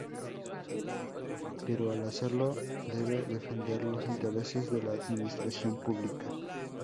Pero al hacerlo debe defender los intereses de la administración pública.